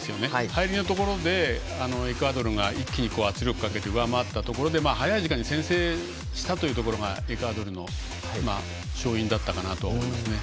入りのところでエクアドルが一気に圧力をかけて上回ったところで早い時間に先制したところがエクアドルの勝因だったかなと思いますね。